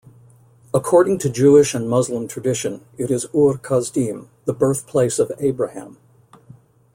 According to Jewish and Muslim tradition, it is Ur Kasdim, the birthplace of Abraham.